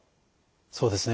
そうですね